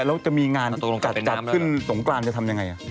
แล้วจะมีงานจัดขึ้นสงกรานจะทำยังไง